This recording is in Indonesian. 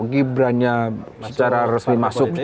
gibrannya secara resmi masuk